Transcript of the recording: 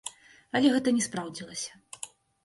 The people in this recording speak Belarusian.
Але гэта не спраўдзілася.